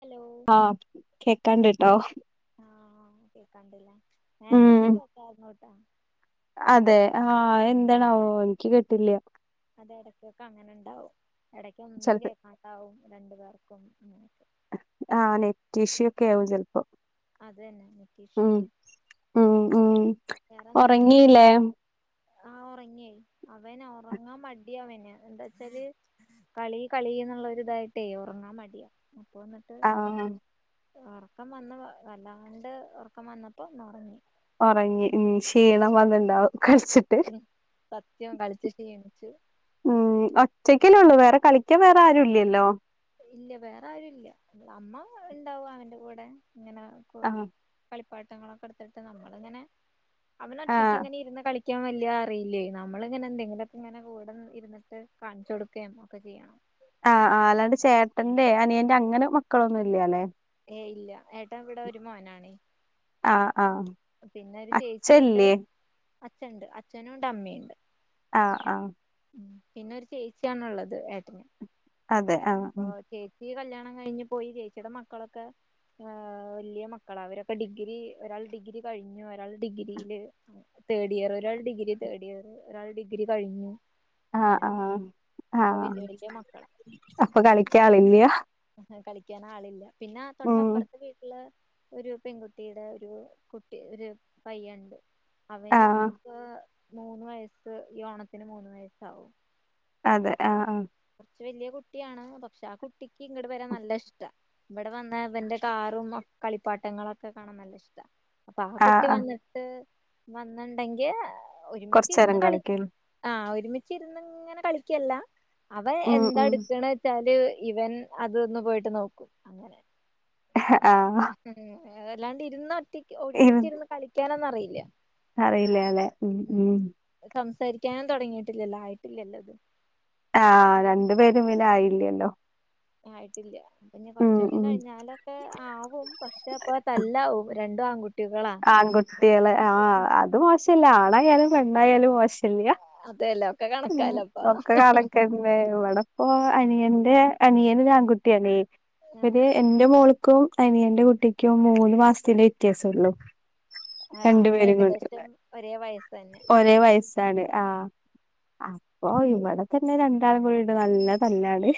Hello ആഹ് കേക്കാണ്ട് ട്ടോ ആഹ് കേക്കാണ്ടില്ലെ ഉം നേരത്തേക്ക് കേൾക്കായിര്ന്നു ട്ടോ അതെ ആഹ് എന്താണാവോ ഇൻക്ക് കിട്ടില്ല അതെ എടക്കൊക്കെ അങ്ങനെ ഇണ്ടാവും എടക്ക് ഒന്നും ചെലപ്പോ കേൾക്കാ ണ്ടാവും രണ്ടു പേർക്കും ഇങ്ങനത്തെ ആഹ് നെറ്റ് ഇഷ്യൂ ഒക്കെ ആകും ചെലപ്പോ അതന്നെ ഉം ഉം ഉം വേറെന്താ ഒറങ്ങിയില്ലേ ആഹ് ഉറങ്ങിയെ അവന് ഉറങ്ങാൻ മടിയ അവന് എന്താ വച്ചാല് കളി കളി എന്നുള്ളൊരിതായിട്ടേ ഉറങ്ങാൻ മടിയ ഉപ്പ വന്നിട്ട് ആഹ് ഉറക്കം വന്ന് വല്ലാണ്ട് ഉറക്കം വന്നപ്പോ ഇന്ന് ഉറങ്ങി ഒറങ്ങി ഉം ക്ഷീണം വന്നിണ്ടാവും കളിച്ചിട്ട് സത്യം കളിച്ച് ക്ഷീണിച്ച് ഉം ഒറ്റക്കെന്നൊള്ളൂ വേറെ കളിക്കാൻ വേറെ ആരും ഇല്ലല്ലോ ഇല്ല വേറെ ആരും ഇല്ല അമ്മ ഇണ്ടാവും അവന്റെ കൂടെ ഇങ്ങനെ ആഹ് കളിപ്പാട്ടങ്ങളൊക്കെ എടുത്തിട്ട് നമ്മള് ഇങ്ങനെ അവന് ഒറ്റയ്ക്ക് ആഹ് ഇങ്ങനെ ഇരുന്ന് കളി ക്കാൻ വലിയ അറിയില്ലേ നമ്മളിങ്ങനെ എന്തെങ്കിലും ഒക്കേ ഇങ്ങനെ കൂടെ ഇരു ന്നിട്ട് കാണിച്ച് കൊടുക്കുകയും ഒക്കെ ചെയ്യണം ആഹ് ആഹ് അല്ലാണ്ട് ചേട്ടന്റെ അനിയന്റെ അങ്ങനെ മക്കളൊന്നും ഇല്ലാല്ലേ ഏയ് ഇല്ല ഏട്ടാൻ ഇവിടെ ഒരു മോനാണ് ആഹ് ആഹ് പിന്നെ ഒരു ചേച്ചിയ്ണ്ട് അച്ഛല്ലേ അച്ഛണ്ട് അച്ഛനും ഉണ്ട് അമ്മയ്ണ്ട് ആഹ് ആഹ് പിന്നെ ഒരു ചേച്ചിയാണുള്ളത് ഏട്ടന് അതെ ആഹ് അപ്പൊ ചേച്ചി കല്യാണം കഴിഞ്ഞ് പോയി ചേച്ചിയുടെ മക്കളൊക്കെ ഹ വലിയ മക്കള അവരൊക്കെ ഡിഗ്രി ഒരാൾ ഡിഗ്രി കഴിഞ്ഞു ഒരാൾ ഡിഗ്രിയില് തേർഡ് ഇയർ ഒരാൾ ഡിഗ്രി തേർഡ് ഇയർ ഒരാൾ ഡിഗ്രി കഴിഞ്ഞു ആഹ് അങ്ങനെ ആഹ് അപ്പൊ ആഹ് വല്യ വല്യ മക്കളാ അപ്പൊ കളിക്കാം അല്ലയോ കളിക്കാൻ ആളില്ല പിന്നെ ഉം തൊട്ടപ്പുറത്തെ വീട്ടില് ഒരു പെൺകുട്ടിയുടെ ഒരു കുട്ടി ഒരു പയ്യനുണ്ട് അവന് ആഹ് മൂന്ന് വയസ് ഈ ഓണത്തിന് മൂന്ന് വയസ്സാവും അതെ അപ്പൊ ആഹ് കുറച്ച് വലിയ കുട്ടിയാണ് പക്ഷെ ആഹ് കുട്ടിക്ക് ഇങ്ങോട്ട വരാൻ നല്ല ഇഷ്ട ഇവിടെ വന്ന ഇവന്റെ കാറും കളിപ്പാട്ടങ്ങളുക്കെ കാണാൻ നല്ല ഇഷ്ട്ടാ അപ്പൊ ആഹ് കുട്ടി വന്നിട്ട് വന്നണ്ടെങ്കി ഒരുമിച്ചിരുന്ന് കൊറച്ചേരം കളി കളിക്കും ആഹ് ഒരുമിച്ച ഇരുന്നിങ്ങനെ കളിക്കല്ല അവ ഉം എന്താ ഉം എടുക്കണ വച്ചാല് ഇവൻ അതൊന്ന് പോയിട്ട് നോക്കും അങ്ങനെ [unintelligible] ഉം അല്ലാണ്ട് ഇരുന്ന് ഒറ്റി ഒരിമിച്ചിരുന്ന് കളിക്കാനൊന്നും അറിയില്ല അറിയില്ലേ അല്ലെ ഉ ഉം സംസാരിക്കാൻ തുടങ്ങിയിട്ടില്ലല്ലോ ആയിട്ടിലല്ലോ ആഹ് രണ്ടു പേരും പിന്നെ ആയില്ലണ്ടോ ആയിട്ടില്ല പിന്നെ കൊറച്ചൂടെ ഉം കഴിഞ്ഞാലോ ഒക്കെ ആവും പക്ഷെ അപ്പ തല്ലും രണ്ടും ആൺകുട്ടി ആൺകുട്ടികള് ആഹ് അത് മോശല്ല ആണായാലും പെണ്ണായാലും മോശില്ല അതെയല്ല ഒക്കെ കണക്കാലപ്പ കണക്കന്നെ ഇവിടെപ്പോ അനിയന്റെ അനിയന് ആൺകുട്ടിയല്ലേ ഇവര് ആ എന്റെ മോൾക്കും അനിയന്റെ കുട്ടിക്കും മൂന്ന് മാസത്തെ വ്യത്യാസമുള്ളു ആഹ് അപ്പൊ ഏകദേശം ഒരേ വയസ്സ് തന്നെ അതാണ് ആഹ് അപ്പൊ ഇവിടെ തന്നെ രണ്ടാള കുട്ടിണ്ട് നല്ല തല്ലാണ്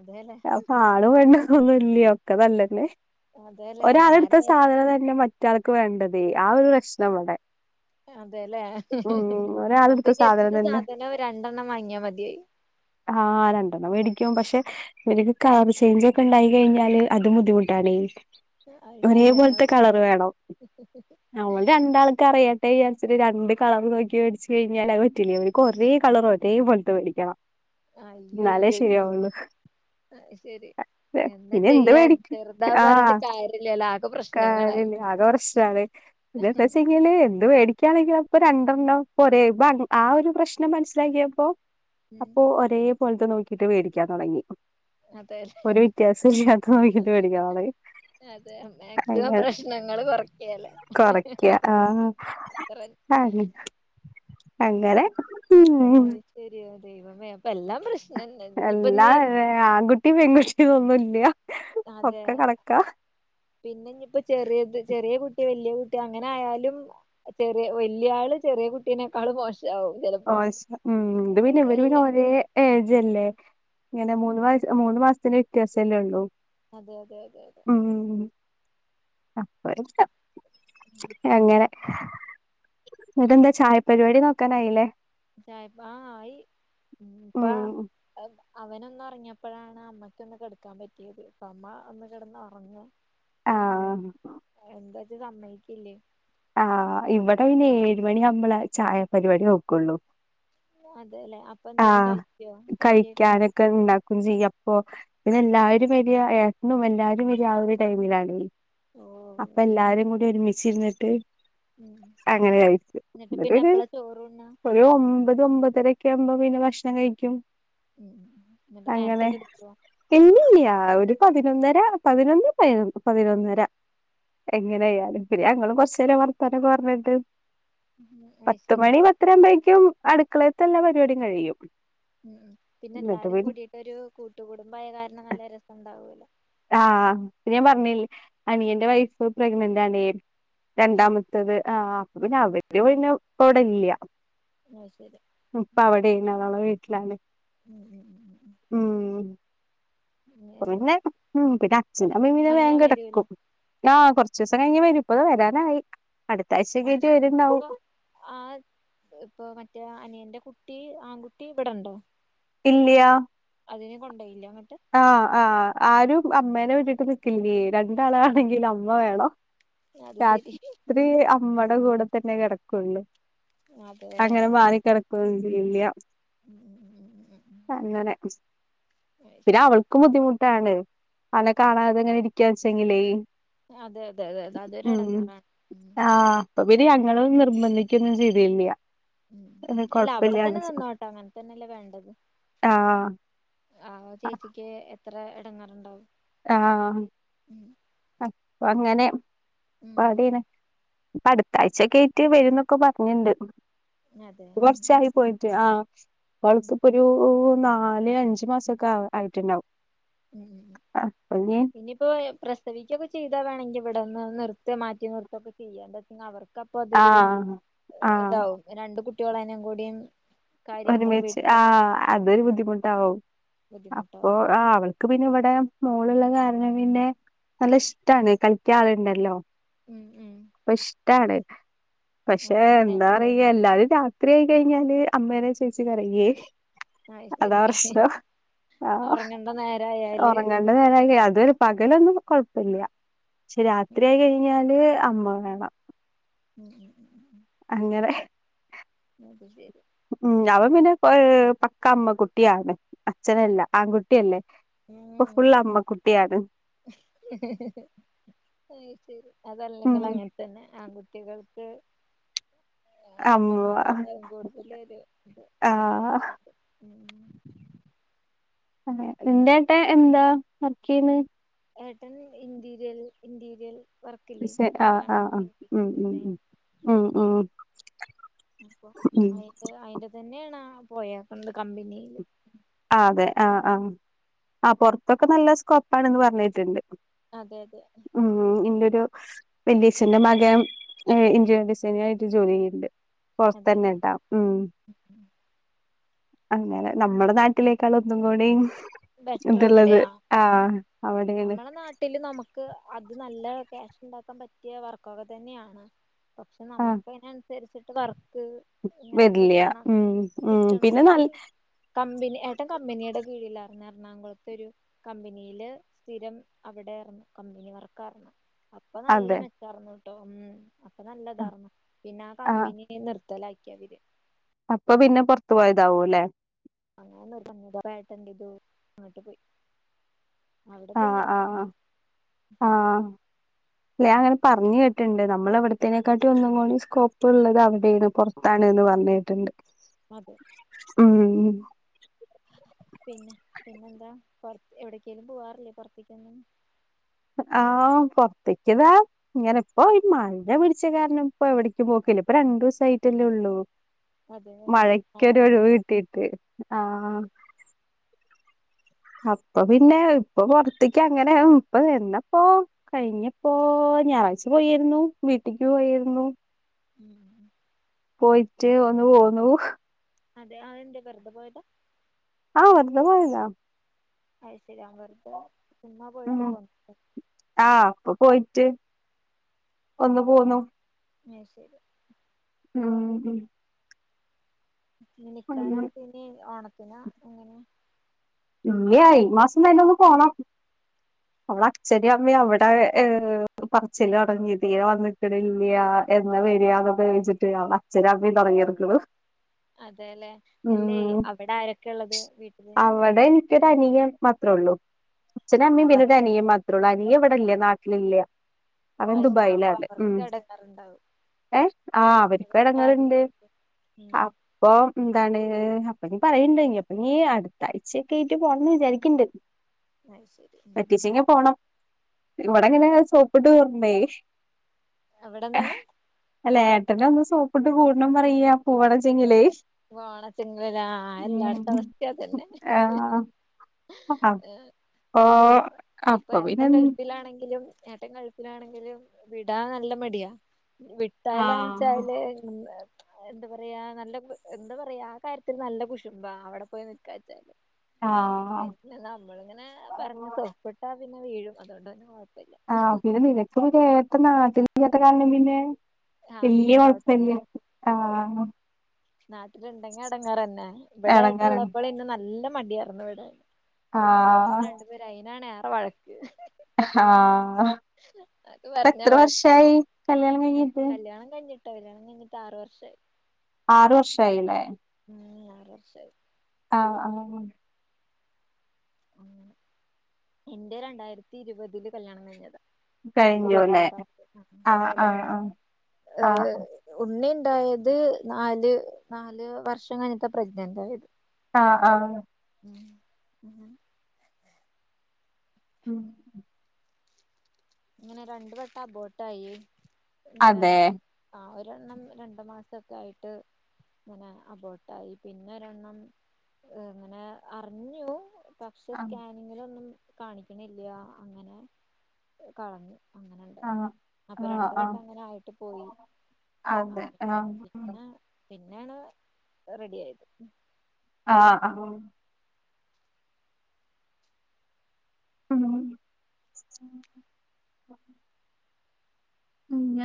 അതേല്ലെ അപ്പൊ ആണ് പെണ്ണൊന്നും ഇല്ല ഒക്കെ നല്ലത് അതെല്ലേ ആര ഒരാളെടുത്ത സാധനം തന്നെ മറ്റാൾക്ക് വേണ്ടത് ആഹ് ഒരു ലക്ഷണ അവിടെ അതെല്ലേ അപ്പൊ ഒരാളെടുത്ത ഇനി സാധനം എന്ത് തന്നെ സാധനം രണ്ടെണ്ണം വാങ്ങിയാ മതിയായി ആഹ് രണ്ടെണ്ണം മേടിക്കും പക്ഷെ നിനിക്ക് കാർ ചേഞ്ച് ഒക്കെ ഉണ്ടായി കഴിഞ്ഞാല് അതും ബുദ്ധിമുട്ടാണ് അത് ഒരേ ശരി ആ പോലത്തെ കളറ് വേണം അവള് രണ്ടാൾക്ക അറിയാ ഏഹ് രണ്ട് കളർ നോക്കി മേടച്ച് കഴിഞ്ഞാൽ പറ്റില്ല അവര് കൊറേ കളർ ഒരേ പോലത്തത്ത് മേടിക്കണം ആഹ് അയ്യോ എന്നാലേ അയ്യോ അയ്യോ ശരിയാവുള്ളൂ ആഹ് ശെരി എന്താ പിന്നെ എന്ത് ചെയ്യാ മേടിക്കും ചെറുതാ പറഞ്ഞിട്ട് കാര്യമില്ലെലോ ആക്കെ പ്രശ്നം കാര്ല്ല ആകെ ഉം [unintelligible] എന്ത് മേടിക്കയാണെങ്കിൽ അപ്പൊ രണ്ടെണ്ണം ഒരേ ആഹ് ഒരു പ്രശ്നം മനസ്സിലാക്കിയപ്പോ ഉം അപ്പൊ ഒരേ പോലത്തെ നോക്കിട്ട് മേടിക്കാൻ തുടങ്ങി അതെ ഒരു വ്യത്യാസം ഇല്ലാത്ത നോക്കിട്ട് മേടിക്കാൻ പറയും അതെ മാക്സിമം പ്രശ്നങ്ങൾ കൊറക്കല്ലേ അത്ര അതെ അങ്ങനെ ഉം ആഹ് ശരിയ ദൈവമേ അപ്പൊ എല്ലാം പ്രശ് എല്ലാ ഏ ആൺകുട്ടി പെൺകുട്ടി ഒന്നുല്യ അതെ പിന്നെ ഇഞ്ഞിപ്പോ ചെറിയത് ചെറിയ കുട്ടി വല്യ കുട്ടി അങ്ങനെ ആയാലും ചെറിയ വല്യള് ചെറിയ കുട്ടീനെക്കാള് മോഷ [unintelligible] [unintelligible] ഉം ഇതു പിന്നെ ഇവര് പിന്നെ ഒരേ ഏജല്ലേ ഉം ഇങ്ങനെ മൂന്ന് വയസ് മൂന്ന് മാസത്തിന്റെ വ്യത്യാസല്ലേ ഉള്ളു അതെ അതെ അതെ അതെ അപ്പൊ [unintelligible] ഉം. അങ്ങനെ ഇതെന്താ ചായ പരിപാടി നോക്കാനായില്ലേ ചായ പ ആഹ ആയി പ്പ ഉം അവനൊന്നറങ്ങിയപ്പോഴാണ് അമ്മക്കൊന്ന് കിടക്കാൻ പറ്റിയത് ഇപ്പ അമ്മ ഒന്ന് കിടന്ന്റങ്ങ പിന്നെ ആഹ് എന്റച്ചാ സമ്മയിക്കില്ലേ ആ ഇവടെ പിന്നെ ഏഴ് മണി ആവുമ്പള ചായപരിപാടി നോക്കുള്ളൂ അതല്ലേ അപ്പൊ എന്തേലും കഴിക്കോ കട്യയിട്ട് ക്കണ്ടകുചെയ്യൂ അപ്പൊ പിന്നെ എല്ലാരും വരാ ഏട്ടനും എല്ലാരും വരാ ആ ഒരു ടൈമിലാണ് ഓ അപ്പൊ അത് ശരി എല്ലാരും കൂടി ഒരുമിച്ചിരുന്നിട്ട് ഉം അങ്ങനെ കഴിച്ചു എന്നിട്ട് ന്നട്ട് പിന്നെ എപ്പളാ ചോറുണ്ണാ ഒരു ഒമ്പത് ഒമ്പതരൊക്കെ ആകുമ്പോ പിന്നെ ഭക്ഷണം കഴിക്കും ഉം എന്നിട്ട് നേരത്തെ അങ്ങനെ കെടക്കോ ഇല്യല്യാ ഒരു പതിനൊന്നര പതിനൊന്ന് പതിനൊ പതിനൊന്നര എങ്ങനെയലും പിന്നെ ഞങ്ങളും കൊറച് വർത്തനക്കെ പറഞ്ഞട്ട് അത് ശരി പത്തുമണി പത്തരാവുംമ്പയെക്കും അടുക്കളയത്തെ എല്ലാം പരിപാടിയും കഴിയും ഉം ഉം പിന്നെ എന്നിട്ട് എല്ലാരും പിന്നെ കൂടിയിട്ടൊരു കൂട്ടു കുടുംമ്പായ കാരണം നല്ല രസം ഉണ്ടാവൂലൊ ആഹ് പിന്നെ ഞാൻ പറഞ്ഞില്ലേ അനിയന്റെ വൈഫ് പ്രഗ്നന്റാണ് ആഹ് രണ്ടാമത്തത് ആ അപ്പ ഉം പിന്നെ ഉം. അവര് പിന്നെ ഇപ്പ ഇവിടെല്യ അത് ശരി ഉപ്പ അവിടെണ് ഓളെ വീട്ടിലാണ് ഉം ഉം ഉം ഉം പിന്നെ ഉം പിന്നെ അച്ഛനും അമ്മീം കൊറച്ചീസം കഴിഞ്ഞാ വരൂല്ലോ വേങ്കടക്കും ആഹ് കുറച്സൊ കഴിഞ്ഞ വരു ഇപ്പത് വരാനായി അടു അതെ അപ്പൊ ആ ഇപ്പൊ മറ്റേ അനിയന്റെ കുട്ടി ആൺകുട്ടി ഇവിടെണ്ടൊ ഇല്യാ അതിനെ കൊണ്ടൊയില്ല അങ്ങട്ട് ആഹ് ആഹ് ആരും അമ്മേനെ വട്ടിട്ട് നിക്കില്ലേ രണ്ടാളാണെങ്കിലും അമ്മ വേണം അത് ശരി രാത്രി അമ്മടെ കൂടെ തന്നെ കെടക്കുള്ളു അതെ അങ്ങനെ മാറിക്കിടകൊന്നുല്ല ഉം ഉം ഉം ഉം അങ്ങനെ ഉം അത് പിന്നെ ശരി അവൾക്കും ബുദ്ധിമുട്ടാണ് അവനെ കാണാാനതങ്ങനെ ഇരിക്ക വെച്ചെങ്കിലേ അതെ അതെ അതെ അതെ അതൊരു എടങ്ങറാണ് ആഹ് അപ്പൊ പിനെ ഞങ്ങളും നിർബന്ധിക്കുകൊന്നും ചെയ്തില്യ അല്ല അവിടെ തന്നെ നിന്നോട്ടെ അങ്ങനെ തന്നെല്ലേ വേണ്ടത് ആഹ് ആ ചേച്ചിക്ക് എത്ര എടങ്ങാറുണ്ടാവും ആ പ്പ അങ്ങനെ ഉം പാഡിനെ പ്പ അടുത്താഴ്ചക്ക ആയിട്ട് വരു ന്നൊക്കെ പറഞ്ഞിണ്ട് അതെ പ്പൊ ഉം ഉം കുറചായി പോയിട്ട് ആ ഉം അവൾക്കിപ്പോ ഒരു നാല് അഞ്ച് മാസൊക്കെ ആയിട്ടുണ്ടാവും ഉം ആപ്പ ഞ്ഞ് പിന്നയിപ്പോ പ്രസവിക്കൊക്കെ ചെയ്താ വേണെങ്കി ഇവിടെന്ന് നിർതെ മാറ്റി നിർതൊക്കെ ചെയ്യാ എന്തചെയ്ഞ്ഞ അവർക്ക് അപ്പൊ അതൊരു ആഹ് ആഹ് ഇതാവും രണ്ട് കുട്ടികളനേ കൂടിയും കാര്യങ്ങളും ഒരുമിച്ച് വീട്ടിലത്തെ ആ കാര്യം അതൊരു ബുദ്ധിമുട്ടവ് അപ്പൊ ബുദ്ധിമുട്ടാവും ആ അവ ർക്ക് പിന്നെ ഇവിടെ മോളുള്ള കാരണം പിന്നെ നല്ല ഇഷ്ടണ് കളിക്ക ആളുണ്ടല്ലോ ഉം ഉ ഇപ്പ ഇഷ്ടാണ് പക്ഷെ അതെ എന്താ നേരം പറയ പോക്കും എല്ലാവരും ര ത്രീയായി കഴിഞ്ഞാല് അമ്മേനെ ചോയിച്ച് കരയെ അത് അതാ ശരി പ്രശ്നം ആഹ് ഒറങ്ങണ്ട നേരായാല് ഉറങ്ങാൻ [unintelligible] അതരു പകലൊന്നും കൊഴപ്പില്ല പക്ഷെ രാത്രിയയി കഴിഞ്ഞാല് അമ്മവേണം ഉം ഉം ഉം ഉം ഉം അങ്ങനെ അത് ശരി ഉം അവൻ പിന്നെ പ് പക്ക അമ്മ കുട്ടിയാണ് അച്ഛനല്ല ആൺകുട്ടിയല്ലേ അപ്പൊ ഉം ഫുൾ അത് അമ്മക്കുട്ടിയാണ് അയ്ശരി ഉം അതല്ലെങ്കിൽ അങ്ങനെ തന്നെ ആൺകുട്ടികൾക്ക് എ അമ്മ അമ്മമാരോട് കൂടുതല് ഒരു ഇത് ആഹ് അറ്റച്മെന്റ് അന്റെ ആട്ട എന്താ വർക്ക് ചെയുന്നെ ഏട്ടൺ ഇന്റ്റീരിയൽ ഇൻറ്റീരിയൽ ഷ് ആഹ് ആഹ് ആഹ് ഉ ഉ ഡിസൈൻ ഉ ഉ ഉ അപ്പൊ അയിന്റെത് അയിന്റെ തന്നെയാണ് പോയാക്കണത് കമ്പനിയില് ആന് അതെ ആഹ് ആഹ് ആഹ് പോറത്തൊക്കെ നല്ല സ്കോപ്പാണന്ന് പറഞ്ഞിട്ടുണ്ട് അതെ അതെ ഉം ഇന്റെരു വല്യച്ചന്റെ മകൻ ഇ ഇന്ററിയർ ഡിസൈനി ആയിട്ട് ജോലി ചെയ്യുന്നുണ്ട് പോറത്തന്നെ അതെല്ലേ ആട്ട ഉ അങ്ങനെ നമ്മുടെ നാട്ടിൽ വീട്ടിലേക്കാളുംഒന്നും കൂടെ ബെറ്റർ ഇതുള്ളത് അവിടെയാ ആ അവിടൊണ് വീട്ടൽ നമുക്ക് അത് നല്ല ക്യാഷ് ഉണ്ടാക്കാൻ പറ്റിയ വർക്കക്കെ തന്നെയാണ് പക്ഷെ നമുക്ക് അതിന അനുസരിച്ചിട്ട് വർക്ക് ഇങ്ങനെ വരില്ല കിട്ടണം ഉ ഉ കിട്ടണം പിന്നെ നല് എപ്പോഴും കമ്പനി ഏട്ടാ കമ്പനിയുടെ കീഴിലാ പിന്നെഎറണാകുളത്ത ഒരു കമ്പനിൽ സ്ഥിരം അവിടെറ്ന്നു കമ്പനി വർക്കരുന്ന് അപ്പ നല്ല അതെ മെച്ചാർന്നു ട്ടോ ഉ അപ്പൊ നല്ലതാറ്ന്നു പിന്നെ ആ ആഹ് കമ്പനി നിർത്തലാക്കിയവര് അപ്പൊ പിന്നെ പോറത്തു പോയതാവു അല്ലെ അങ്ങന നിർബ ന്ധമായിട്ട് അങ്ങോട്ട് പോയി അവിടെ ആഹ് പിന്നെപ്പ് ആഹ് [unintelligible] ഞാ അങ്ങനെ പറഞ്ഞു കേട്ടിണ്ട് നമ്മളിവിടത്തേനെക്കാട്ടി ഒന്നും കൂടി സ്കോപ്പ് ഉള്ളത് അവിടെണ് പോർ ത്തണ്‌ എന്ന് പറഞ്ഞ് കേട്ടണ്ട് അതെ ഉം ഉ പിന്നെ പിന്നെന്താ പുറ എവിടക്കലും പോവാറില്ലേ പുറത്തേക്കെന്നും ആഹ് പോറത്തേക്ക് ദ ഇങ്ങനെ ഇപ്പോ ഈ മഴ പിടിച്ച കാരണം ഇപ്പ എവിടേക്ക് പോക്കില്ല ഇപ്പ രണ്ടുസ ആയിട്ടല്ലേ ഉള്ളൂ അതെ അതെ മഴക്കൊരു അങ്ങനെ ഒഴിവ് കിട്ടീട്ട് ആഹ് അതെ അപ്പൊ പിന്നെ ഇപ്പൊ പോറത്തേക്ക് അങ്ങനെ ഇപ്പ എന്നപ്പോ കഴിഞ്ഞപ്പോ ഞായറാഴ്ച പോയിരുന്നു വീട്ടിക്ക് പോയരുന്നു ഉം ഉം പോയിട്ട് ഒന്ന് പോന്നു അതെ ആ എന്തെ വെറുതെ പോയതാ ആഹ് വെറുതെ പോയതാ അയ് ശരി വെറുതേ തിന്നാൻ ഉം പോയിട്ട് പോന്ന ആഹ് ഇപ്പൊ പോയിട്ട് ഒന്നു പോന്നു അയ് ശരി ഉം ഉം അങ്ങനെ നിക്കാനായിട്ട് ഇനി ഓണത്തിനാ എങ്ങനാ? ഇല്ല ഈ മാസം തന്നെ ഒന്ന് പോണം അവടെ അച്ഛനും അമ്മേം അവിടെ ഏഹ് പറച്ചില് തൊടങ്ങി തീരെ വന്നിക്കണില്ലാ എന്നാ വരാ എന്നൊക്കെ ചോയ്ച്ചിട്ട് അവടെ അച്ഛനും അമ്മേം തൊടങ്ങിക്കണു അതേല്ലേ അല്ലേ അവടെ ആരൊക്കെ ഒള്ളത് വീട്ടില്? അവടെ എനിക്കൊരു അനിയൻ മാത്രേ ഒള്ളൂ അച്ഛനും അമ്മേം പി അതാ അനിയൻ മാത്രേ ഒള്ളൂ അനിയൻ ഇവിടെ ഇല്ല നാട്ടിലില്ല അവൻ അത് ശരി ആ അപ്പൊ ദുബായിലാണ് ഉം അവർക്ക് എടങ്ങേറുണ്ടാവും ഏഹ് ആഹ് അവരുക്കും അവർക്ക് എടെങ്ങേറുണ്ട് ആരുമില്ലെങ്കിൽ ആ ഉം അപ്പൊ എന്താണ് അപ്പ ഇനി പറയണ്ട് അപ്പൊ ഇനി അടുത്താഴ്ചൊക്കെ ആയിട്ട് പോണംന്ന് വിചാരിക്കിണ്ട് ഐശരി പറ്റീച്ചിങ്ങെ പോണം ഇവടെ ഇങ്ങനെ സോപ്പിട്ട് വരണേ അവടെ എന്താണ്? അല്ല ഏട്ടനെ ഒന്ന് സോപ്പിട്ട് കൂടണം പറയാ പൂവണംചെങ്കിലേ വാണെചെങ്ങേലേ ആഹ് എല്ലാടത്തെ അവസ്ഥ അതെന്നെ ആഹ് [unintelligible] ഇപ്പൊ അപ്പൊ പിന്നെ ഏട്ടൻ ഗൾഫിലാണെങ്കിലും ഏട്ടൻ ഗൾ ഗൾഫിലാണെങ്കിലും വിടാൻ നല്ല മട്യാ ആഹ് വിട്ടാലാൺചാല് ഉം എന്താ പറയാ നല്ല എന്താ പറയാ ആ കാര്യത്തില് നല്ല കുശുമ്പാ അവടെ പോയി നിൽക്കാച്ചാല് ആഹ് പിന്നെ നമ്മളിങ്ങനെ പറഞ്ഞ് സോപ്പിട്ടാ പിന്നെ വീഴും അതോണ്ടന്നെ ആഹ് പിന്നെ നിനക്ക് പിന്നെ ഏട്ടൻ നാട്ടിലില്ലാത്ത കാരണം പിന്നെ ആഹ് വല്യ പിന്നേം കൊഴപ്പില്ല കൊഴപ്പല്ല ഇല്ല ആഹ് നാട്ടില് ഇണ്ടെങ്കി എടങ്ങേറന്നെ ഇവടെ ഏട്ടൻ എടങ്ങേറാണ് ഇള്ളപ്പളന്നെ നല്ല മട്യാ പറന്ന വിട അങ്ങന ആഹ് രണ്ടുപേര് അയിനാണ് ഏറെ വഴക്ക് അഹ് ആഹ് അത് ഇപ്പ പറഞ്ഞ എത്ര വഴക്കാ വർഷായി കല്യാണം കഴിഞ്ഞിട്ട് കല്യാണം കഴിഞ്ഞിട്ട് ട്ട് കല്യാണം കഴിഞ്ഞിട്ട് ആറ് വർഷായി ആറ് വർഷായീലേ? ഉം ആറ് വർഷായി ആഹ് ആഹ് അങ്ങനെ എന്റെ രണ്ടായിരത്തി ഇരുവതില് കല്യാണം കഴിഞ്ഞതാ കഴിഞ്ഞുല്ലേ ഇരുപത്താറ് [unintelligible] ഉം ആഹ് കല്യാണം ആഹ് കഴിഞ്ഞിട്ട് ആഹ് ഉണ്ണി ഇണ്ടായത് നാല് നാല് വർഷം കഴിഞ്ഞിട്ടാ പ്രഗ്നന്റ് ആയത് ആഹ് ആഹ് ഉം അങ്ങനെ ഉം ഇങ്ങനെ രണ്ട് വട്ടം അബോട്ടായി ഇങ്ങനെ അതെ ആഹ് ഒരെണ്ണം രണ്ട് മാസൊക്കെ ആയിട്ട് ഇങ്ങനെ അബോട്ടായി പിന്നെ ഒരെണ്ണം ഏഹ് ഇങ്ങനെ അറിഞ്ഞു പക്ഷെ ആഹ് സ്കാനിങ്ങിലൊന്നും കാണിക്കണില്ല അങ്ങനെ കളഞ്ഞു അങ്ങനെണ്ടായി ആഹ് അപ്പൊ ആഹ് രണ്ട് ആഹ് വട്ടം അങ്ങനെ ആയിട്ട് പോയി അതെ അങ്ങനൊക്കെ ആഹ് പിന്നെ പിന്നെ ആണ് റെഡി ആയത് ആഹ് ആഹ അങ്ങനെ ഉം [unintelligible]